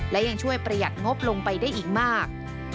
และยังช่วยประหยัดงบลงไปได้อีกมาก